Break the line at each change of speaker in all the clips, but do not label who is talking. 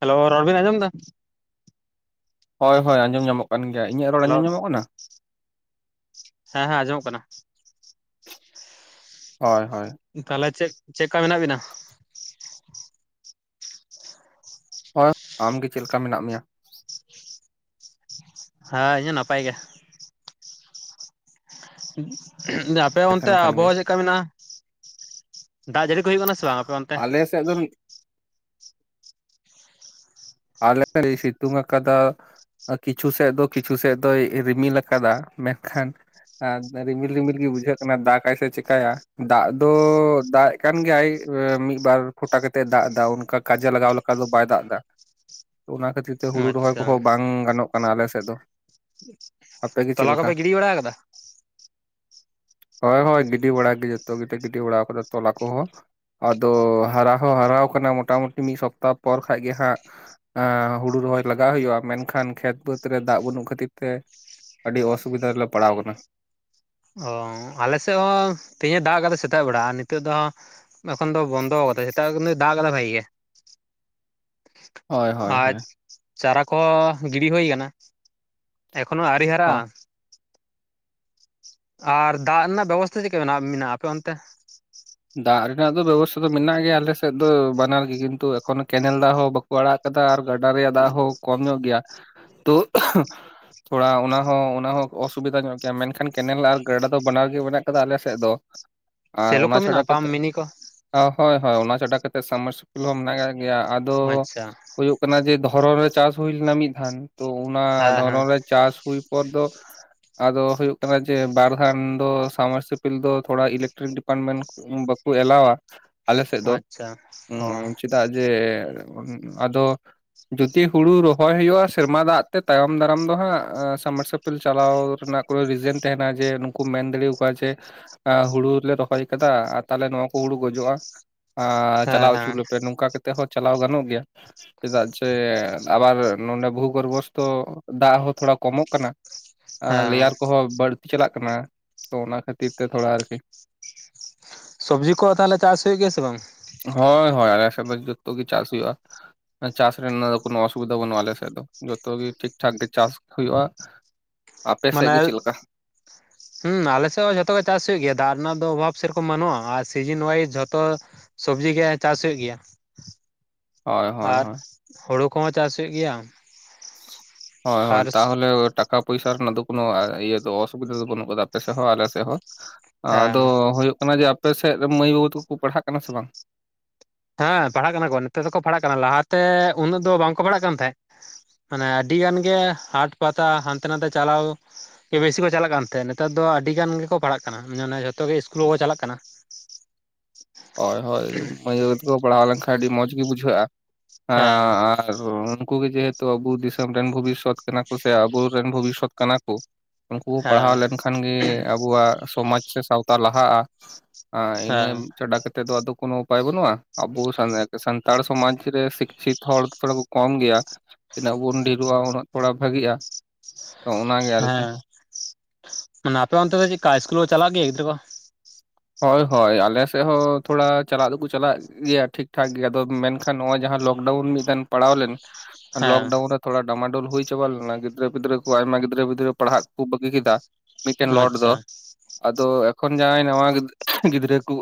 Hello ᱨᱚᱲ ᱵᱤᱱ ᱟᱸᱡᱚᱢ ᱫᱟ
ᱦᱚᱭ ᱦᱚᱭ ᱟᱸᱡᱚᱢ ᱧᱟᱢᱚᱜ ᱠᱟᱱ ᱜᱮᱭᱟ ᱤᱧᱟᱹᱜ ᱨᱚᱲ
ᱦᱮᱞᱳ
ᱟᱸᱡᱚᱢ ᱧᱟᱢᱚᱜ ᱠᱟᱱᱟ
ᱦᱮᱸ ᱦᱮᱸ ᱟᱸᱡᱚᱢᱚᱜ ᱠᱟᱱᱟ
ᱦᱳᱭ, ᱦᱳᱭ,
ᱛᱟᱦᱞᱮ ᱪᱮᱫ ᱪᱮᱫᱠᱟ ᱢᱮᱱᱟᱜ ᱵᱤᱱᱟ?
ᱦᱳᱭ ᱟᱢᱜᱮ ᱪᱮᱫ ᱞᱮᱠᱟ ᱢᱮᱱᱟᱜ ᱢᱮᱭᱟ?
ᱦᱮᱸ ᱤᱧ ᱦᱚᱸ ᱱᱟᱯᱟᱭ ᱜᱮ ᱡᱮ ᱟᱯᱮ
ᱮᱛᱷᱮᱱ
ᱚᱱᱛᱮ
ᱠᱷᱟᱱ ᱜᱮ
ᱟᱵᱚᱦᱟᱣᱟ ᱪᱮᱫᱠᱟ ᱢᱮᱱᱟᱜᱼᱟ ᱫᱟᱜ ᱡᱟᱹᱲᱤ ᱠᱚ ᱦᱩᱭᱩᱜ ᱠᱟᱱᱟ ᱥᱮ ᱵᱟᱝ ᱟᱯᱮ ᱚᱱ
ᱟᱞᱮ ᱥᱮᱫ ᱫᱚ ᱟᱞᱮ ᱥᱤᱛᱩᱝ ᱟᱠᱟᱫᱟ ᱠᱤᱪᱷᱩ ᱥᱮᱫ ᱫᱚ ᱠᱤᱪᱷᱩ ᱥᱮᱫ ᱫᱚᱭ ᱨᱤᱢᱤᱞ ᱟᱠᱟᱫᱟ ᱢᱮᱱᱠᱷᱟᱱ ᱟᱨ ᱨᱤᱢᱤᱞ ᱨᱤᱢᱤᱞ ᱜᱮ ᱵᱩᱡᱷᱟᱹᱜ ᱠᱟᱱᱟ ᱫᱟᱜᱟᱭ ᱥᱮ ᱪᱮᱠᱟᱭᱟ ᱫᱟᱜ ᱫᱚ ᱫᱟᱜ ᱮ ᱠᱟᱱ ᱜᱮᱭᱟᱭ ᱢᱤᱫ ᱵᱟᱨ ᱯᱷᱴᱟ ᱠᱟᱛᱮᱜ ᱮ ᱫᱟᱜ ᱮᱫᱟ ᱚᱱᱠᱟ ᱠᱟᱡᱮ ᱞᱟᱜᱟᱣ ᱞᱮᱠᱟ ᱫᱚ ᱵᱟᱭ ᱫᱟᱜ ᱮᱫᱟ ᱚᱱᱟ ᱠᱷᱟᱹᱛᱤᱨ ᱛᱮ ᱦᱩᱲᱩ ᱨᱚᱦᱚᱭ
ᱟᱪᱪᱷᱟ
ᱠᱚᱦᱚᱸ ᱵᱟᱝ ᱜᱟᱱᱚᱜ ᱠᱟᱱᱟ ᱟᱞᱮ ᱥᱮᱫ ᱫᱚ ᱟᱯᱮᱜᱮ ᱪᱮᱫ
ᱛᱚᱞᱟ
ᱞᱮᱠᱟ
ᱠᱚᱯᱮ ᱜᱤᱰᱤ ᱵᱟᱲᱟ [unintelligible]
ᱦᱳᱭ ᱦᱳᱭ ᱜᱤᱰᱤ ᱵᱟᱲᱟ ᱜᱮ ᱡᱚᱛᱚ ᱜᱮᱞᱮ ᱜᱤᱰᱤ ᱵᱟᱲᱟ ᱠᱟᱫᱟ ᱛᱚᱞᱟ ᱠᱚ ᱦᱚᱸ ᱟᱫᱚ ᱦᱟᱨᱟ ᱦᱚᱸ ᱦᱟᱨᱟᱣᱟᱠᱟᱱᱟ ᱢᱳᱚᱴᱟᱢᱩᱴᱤ ᱢᱤᱫ ᱥᱚᱯᱛᱟᱦ ᱯᱚᱨ ᱠᱷᱟᱡ ᱜᱮ ᱦᱟᱸᱜ ᱮᱸᱻ ᱦᱩᱲᱩ ᱨᱚᱦᱚᱭ ᱞᱟᱜᱟᱜ ᱦᱩᱭᱩᱜᱼᱟ ᱢᱮᱱᱠᱷᱟᱱ ᱠᱷᱮᱛ ᱵᱟᱹᱫᱽ ᱨᱮ ᱫᱟᱜ ᱵᱟᱹᱱᱩᱜ ᱠᱷᱟᱹᱛᱤᱨ ᱛᱮ ᱟᱹᱰᱤ ᱚᱥᱩᱵᱤᱫᱷᱟ ᱨᱮᱞᱮ ᱯᱟᱲᱟᱣ ᱠᱟᱱᱟ
ᱚ ᱟᱞᱮ ᱥᱮᱫ ᱦᱚᱸ ᱛᱮᱦᱧᱮ ᱫᱟᱜ ᱠᱟᱫᱟ ᱥᱮᱛᱟᱜ ᱵᱟᱲᱟᱜᱟ ᱱᱤᱛᱚᱜ ᱫᱚ ᱮᱠᱷᱚᱱ ᱫᱚ ᱵᱚᱱᱫᱚ ᱠᱟᱫᱟᱭ ᱥᱮᱛᱟᱜ ᱫᱚ ᱫᱟᱜ ᱠᱟᱫᱟ ᱵᱷᱟᱜᱤ ᱜᱮ
ᱦᱳᱭ ᱦᱳᱭ ᱦᱳᱭ᱾
ᱟᱪ ᱪᱟᱨᱟ ᱠᱚᱦᱚᱸ ᱜᱤᱲᱤ ᱦᱩᱭ ᱠᱟᱱᱟ ᱮᱠᱷᱚᱱᱳ ᱟᱹᱣᱨᱤ ᱦᱟᱨᱟᱜᱼᱟ
ᱦᱚᱸ
ᱟᱨ ᱫᱟᱜ ᱨᱮᱱᱟᱜ ᱵᱮᱵᱚᱥᱛᱷᱟ ᱪᱮᱫᱠᱟ ᱢᱮᱱᱟᱜᱼᱟ ᱢᱮᱱᱟᱜᱼᱟ ᱟᱯᱮ ᱚᱱᱛᱮ
ᱫᱟᱜ ᱨᱮᱱᱟᱜ ᱫᱚ ᱵᱮᱵᱚᱥᱛᱷᱟ ᱫᱚ ᱢᱮᱱᱟᱜ ᱜᱮᱭᱟ ᱟᱞᱮᱥᱮᱫ ᱫᱚ ᱵᱟᱱᱟᱨ ᱜᱮ ᱠᱤᱱᱛᱩ ᱮᱠᱷᱚᱱᱳ ᱠᱮᱱᱮᱞ ᱫᱟᱜ ᱦᱚᱸ ᱵᱟ ᱠᱚ ᱟᱲᱟᱜ ᱠᱟᱫᱟ ᱟᱨ ᱜᱟᱰᱟ ᱨᱮᱭᱟᱜ ᱫᱟᱜ ᱦᱚᱸ ᱠᱚᱢ ᱧᱚᱜ ᱜᱮᱭᱟ ᱛᱚ ᱛᱷᱚᱲᱟ ᱚᱱᱟᱦᱚᱸ ᱚᱱᱟᱦᱚᱸ ᱚᱥᱩᱵᱤᱫᱟ ᱧᱚᱜ ᱜᱮᱭᱟ ᱢᱮᱱᱠᱷᱟᱱ ᱠᱮᱱᱮᱞ ᱟᱨ ᱜᱟᱰᱟ ᱫᱚ ᱵᱟᱱᱟᱨ ᱜᱮ ᱢᱮᱱᱟᱜ ᱠᱟᱫᱟ ᱟᱞᱮᱥᱮᱫ ᱫᱚ ᱟᱨ
ᱥᱮᱞᱳ ᱠᱚ
ᱚᱱᱟ ᱪᱷᱟᱰᱟ
ᱢᱮᱱᱟᱜᱼᱟ ᱯᱟᱢ
ᱠᱟᱛᱮ
ᱢᱤᱱᱤ ᱠᱚ
ᱦᱳᱭ ᱦᱳᱭ ᱚᱱᱟ ᱪᱷᱟᱰᱟ ᱠᱟᱛᱮᱮᱫ ᱥᱟᱵᱢᱟᱨᱥᱤᱞ ᱦᱚᱸ ᱢᱮᱱᱟᱜ ᱜᱮᱭᱟ ᱟᱫᱚ
ᱟᱪᱪᱷᱟ
ᱦᱩᱭᱩᱜ ᱠᱟᱱᱟ ᱡᱮ ᱫᱷᱚᱨᱚᱱ ᱨᱮ ᱪᱟᱥ ᱦᱩᱭ ᱞᱮᱱᱟ ᱢᱤᱫ ᱫᱷᱟᱣ ᱛᱚ ᱚᱱᱟ
ᱦᱮᱸ ᱦᱮᱸ
ᱫᱷᱚᱨᱚᱱ ᱨᱮ ᱪᱟᱥ ᱦᱩᱭ ᱯᱚᱨ ᱫᱚ ᱟᱫᱚ ᱦᱩᱭᱩᱜ ᱠᱟᱱᱟ ᱡᱮ ᱵᱟᱨ ᱫᱷᱟᱢ ᱫᱚ ᱥᱟᱵᱢᱟᱨᱥᱤᱵᱚᱞ ᱫᱚ ᱛᱷᱚᱲᱟ ᱤᱞᱮᱠᱴᱨᱤᱠ ᱰᱤᱯᱟᱨᱴᱢᱮᱱᱴ ᱵᱟᱠᱩ ᱮᱞᱟᱣᱟ ᱟᱞᱮᱥᱮᱫ ᱫᱚ
ᱟᱪᱪᱷᱟ
ᱩᱸᱻ
ᱚ
ᱪᱮᱫᱟᱜ ᱡᱮ ᱟᱫᱚ ᱡᱩᱫᱤ ᱦᱩᱲᱩ ᱨᱚᱦᱚᱭ ᱦᱩᱭᱩᱜᱼᱟ ᱥᱮᱨᱢᱟ ᱫᱟᱜ ᱛᱮ ᱛᱟᱭᱚᱢ ᱫᱟᱨᱟᱢ ᱫᱚ ᱦᱟᱸᱜ ᱥᱟᱵᱢᱟᱥᱤᱞ ᱪᱟᱞᱟᱣ ᱨᱮᱱᱟᱜ ᱠᱳᱱᱳ ᱨᱤᱡᱮᱱ ᱛᱟᱦᱮᱱᱟ ᱡᱮ ᱱᱩᱠᱩ ᱢᱮᱱ ᱫᱟᱲᱮ ᱟᱠᱣᱟ ᱡᱮ ᱦᱩᱲᱩ ᱞᱮ ᱨᱚᱦᱚᱭ ᱠᱟᱫᱟ ᱛᱟ, ᱛᱟᱦᱞᱮ ᱱᱚᱣᱟ ᱠᱚ ᱦᱩᱲᱩ ᱜᱚᱡᱚᱜᱼᱟ ᱟ
ᱦᱮᱸ
ᱪᱟᱞᱟᱣ ᱚᱪᱚ
ᱦᱮᱸ
ᱟᱞᱮᱯᱮ ᱱᱚᱝᱠᱟ ᱠᱟᱛᱮ ᱛᱮᱦᱚᱸ ᱪᱟᱞᱟᱣ ᱜᱟᱱᱚᱜ ᱜᱮᱭᱟ ᱪᱮᱫᱟᱜ ᱪᱮ ᱟᱵᱟᱨ ᱱᱚᱰᱮ ᱵᱷᱩ ᱜᱚᱨᱵᱷᱚᱥᱛᱚ ᱫᱟᱜ ᱦᱚᱸ ᱛᱷᱚᱲᱟ ᱠᱚᱢᱚᱜ ᱠᱟᱱᱟ
ᱦᱮᱸ
ᱞᱮᱭᱟᱨ ᱠᱚᱦᱚᱸ ᱵᱟᱹᱲᱛᱤ ᱪᱟᱞᱟᱜ ᱠᱟᱱᱟ ᱛᱚ ᱚᱱᱟ ᱠᱷᱟᱹᱛᱤᱨ ᱛᱮ ᱛᱷᱚᱲᱟ ᱟᱨᱠᱤ
ᱥᱚᱵᱽᱡᱤ ᱠᱚ ᱛᱟᱦᱞᱮ ᱪᱟᱥ ᱦᱳᱭᱳᱜ ᱜᱮᱭᱟ ᱥᱮ ᱵᱟᱝ
ᱦᱳᱭ ᱦᱳᱭ ᱟᱞᱮ ᱥᱮᱫ ᱫᱚ ᱡᱚᱛᱚ ᱜᱮ ᱪᱟᱥ ᱦᱩᱭᱩᱜᱼᱟ ᱪᱟᱥ ᱨᱮᱱᱟᱜ ᱫᱚ ᱠᱳᱱᱳ ᱚᱥᱩᱵᱤᱫᱟ ᱵᱟᱹᱱᱩᱜᱼᱟ ᱟᱞᱮᱮᱥᱮᱫ ᱫᱚ ᱡᱚᱛᱚ ᱜᱮ ᱴᱷᱤᱠ ᱴᱷᱟᱠ ᱜᱮ ᱪᱟᱥ ᱦᱩᱭᱩᱜᱼᱟ ᱟᱯᱮ ᱥᱮᱫ
ᱢᱟᱱᱮ
ᱜᱮ ᱪᱮᱫ ᱞᱮᱠᱟ?
ᱦᱩᱸ ᱟᱞᱮᱥᱮᱜ ᱦᱚᱸ ᱡᱷᱚᱛᱚ ᱜᱮ ᱪᱟᱥ ᱦᱳᱭᱳᱜ ᱜᱮᱭᱟ ᱫᱟᱜ ᱨᱮᱱᱟᱜ ᱫᱚ ᱚᱵᱷᱟᱵᱽ ᱥᱮᱨᱚᱠᱚᱢ ᱵᱟᱱᱩᱜᱼᱟ ᱟᱨ ᱥᱤᱡᱤᱱ ᱚᱣᱟᱭᱤᱡ ᱡᱷᱚᱛᱚ ᱥᱚᱵᱡᱤ ᱜᱮ ᱪᱟᱥ ᱦᱩᱭᱩᱜ ᱜᱮᱭᱟ
ᱦᱳᱭ ᱦᱳᱭ
ᱟᱨ
ᱦᱳᱭ
ᱦᱩᱲᱩ ᱠᱚᱦᱚᱸ ᱪᱟᱥ ᱦᱳᱭᱳᱜ ᱜᱮᱭᱟ
ᱦᱳᱭ ᱦᱳᱭ
ᱟᱨ
ᱛᱟᱦᱚᱞᱮ ᱴᱟᱠᱟ ᱯᱚᱭᱥᱟ ᱨᱮᱱᱟᱜ ᱫᱚ ᱠᱚ ᱤᱭᱟᱹ ᱚᱥᱩᱵᱤᱫᱟ ᱫᱚ ᱵᱟᱹᱱᱩᱜ ᱠᱟᱫᱟ ᱟᱯᱮ ᱥᱮᱫ ᱦᱚᱸ ᱟᱞ ᱥᱮᱫ ᱦᱚᱸ
ᱦᱮᱸ
ᱟᱫᱚ ᱦᱳᱭᱳᱜ ᱠᱟᱱᱟ ᱡᱮ ᱟᱯᱮᱥᱮᱫ ᱢᱟᱹᱭ ᱵᱟᱹᱵᱩ ᱛᱟᱠᱩ ᱠᱩ ᱯᱟᱲᱦᱟᱜ ᱠᱟᱱᱟ ᱥᱮ ᱵᱟᱝ
ᱦᱮᱸ ᱯᱟᱲᱦᱟᱜ ᱠᱟᱱᱟ ᱠᱚ ᱱᱤᱛᱚᱜ ᱫᱚᱠᱚ ᱯᱟᱲᱦᱟᱜ ᱠᱟᱱᱟ ᱞᱟᱦᱟᱛᱮ ᱩᱱᱟᱹᱜ ᱫᱚ ᱵᱟᱝᱠᱚ ᱯᱟᱲᱦᱟᱜ ᱠᱟᱱ ᱛᱟᱦᱮᱸᱫ ᱢᱟᱱᱮ ᱟᱹᱰᱤ ᱜᱟᱱ ᱜᱮ ᱦᱟᱴ ᱯᱟᱛᱟ ᱦᱟᱱᱛᱮ ᱱᱟᱛᱮ ᱪᱟᱞᱟᱣ ᱵᱮᱥᱤ ᱠᱚ ᱪᱟᱞᱟᱜ ᱠᱟᱱ ᱛᱟᱸᱦᱮ ᱱᱮᱛᱟᱨ ᱫᱚ ᱟᱹᱰᱤ ᱜᱟᱱ ᱜᱮᱠᱚ ᱯᱟᱲᱦᱟᱜ ᱠᱟᱱᱟ ᱢᱟᱱᱮ ᱡᱷᱚᱛᱚ ᱜᱮ ᱥᱤᱥᱠᱩᱞ ᱠᱚᱠᱚ ᱪᱟᱞᱟᱜ ᱠᱟᱱᱟ [unintelligible]
ᱦᱳᱭ ᱦᱳᱭ ᱢᱟᱹᱭ ᱵᱟᱹᱵᱩ ᱛᱟᱠᱚ ᱯᱟᱲᱦᱟᱣ ᱞᱮᱱᱠᱷᱟᱱ ᱟᱹᱰᱤ ᱢᱚᱸᱡᱽ ᱜᱮ ᱵᱩᱡᱷᱟᱹᱜᱼᱟ ᱮᱸᱻ
ᱦᱮᱸ
ᱟᱨ ᱩᱱᱠᱩ ᱜᱮ ᱡᱮᱦᱮᱛᱩ ᱟᱵᱚ ᱫᱤᱥᱚᱢ ᱨᱮᱱ ᱵᱷᱚᱵᱤᱥᱥᱚᱛ ᱠᱟᱱᱟ ᱠᱚ ᱥᱮ ᱟᱵᱚᱨᱮᱱ ᱵᱷᱚᱵᱤᱥᱥᱚᱛ ᱠᱟᱱᱟ ᱠᱚ ᱩᱱᱠᱩ ᱠᱚ
ᱦᱮᱸ
ᱯᱟᱲᱦᱟᱣ ᱞᱮᱱᱠᱷᱟᱱ ᱜᱮ ᱟᱵᱚᱣᱟᱜ ᱥᱚᱢᱟᱡᱽ ᱥᱮ ᱥᱟᱶᱛᱟ ᱞᱟᱦᱟᱜᱼᱟ ᱟᱨ ᱤᱱᱟᱹ
ᱦᱮᱸ
ᱪᱟᱰᱟ ᱠᱟᱛᱮᱫ ᱫᱚ ᱟᱫᱚ ᱠᱳᱱᱳ ᱩᱯᱟᱭ ᱵᱟᱹᱱᱩᱜᱼᱟ ᱟᱵᱚ ᱥᱟᱱᱛᱟᱲ ᱥᱚᱢᱟᱡ ᱨᱮ ᱥᱤᱠᱪᱷᱤᱛ ᱦᱚᱲ ᱛᱷᱚᱲᱟ ᱠᱚ ᱠᱚᱢ ᱜᱮᱭᱟ ᱛᱤᱱᱟᱹᱜ ᱵᱚᱱ ᱰᱷᱮᱨᱚᱜᱼᱟ ᱩᱱᱟᱹᱜ ᱛᱷᱚᱲᱟ ᱵᱷᱟᱜᱤᱜᱼᱟ ᱛᱚ ᱚᱱᱟᱜᱮ ᱟᱨᱠᱤ
ᱦᱮᱸ ᱢᱟᱱᱮ ᱟᱯᱮ ᱚᱱᱛᱮ ᱫᱚ ᱪᱮᱫ ᱠᱟ ᱤᱥᱠᱩᱞ ᱠᱚ ᱪᱟᱞᱟᱜ ᱜᱮᱭᱟ ᱜᱤᱫᱽᱨᱟᱹ ᱠᱚ
ᱦᱳᱭ ᱦᱳᱭ ᱟᱞᱮ ᱥᱮᱫ ᱦᱚᱸ ᱛᱷᱚᱲᱟ ᱪᱟᱞᱟᱜ ᱫᱚᱠᱚ ᱪᱟᱞᱟᱜ ᱜᱮᱭᱟ ᱴᱷᱤᱠ-ᱴᱷᱟᱠ ᱜᱮᱭᱟ ᱟᱫᱚ ᱢᱮᱱᱠᱷᱟᱱ ᱱᱚᱜᱚᱭ ᱡᱟᱦᱟᱸ ᱞᱚᱠᱰᱟᱣᱩᱱ ᱢᱤᱫᱴᱮᱱ ᱯᱟᱲᱟᱣ ᱞᱮᱱ
ᱦᱮᱸ
ᱞᱚᱠᱰᱟᱣᱩᱱ ᱨᱮ ᱛᱷᱚᱲᱟ ᱰᱟᱢᱟᱰᱳᱚᱞ ᱦᱩᱭ ᱪᱟᱵᱟ ᱞᱮᱱᱟ ᱜᱤᱫᱽᱨᱟᱹ ᱯᱤᱫᱽᱨᱟᱹ ᱠᱚ ᱟᱭᱢᱟ ᱜᱤᱫᱽᱨᱟᱹ ᱯᱤᱫᱽᱨᱟᱹ ᱯᱟᱲᱦᱟᱜ ᱠᱚ ᱵᱟᱹᱜᱤ ᱠᱮᱫᱟ ᱢᱤᱫᱴᱮᱱ ᱞᱚᱴ ᱫᱚ
ᱟᱪᱪᱷᱟ
ᱟᱫᱚ ᱮᱠᱷᱚᱱ ᱡᱟᱦᱟᱸᱭ ᱱᱟᱣᱟ ᱜᱤᱫᱽᱨᱟᱹ ᱠᱚ